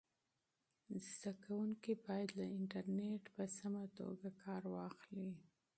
محصلین باید له انټرنیټه په سمه توګه کار واخلي.